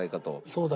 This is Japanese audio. そうだ。